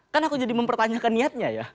kan aku jadi mempertanyakan niatnya ya